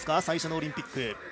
最初のオリンピック。